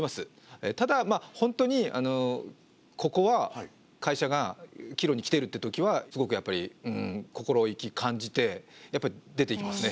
ただ本当にここは会社が岐路にきているっていうときはすごくやっぱり心意気感じてやっぱり出ていきますね。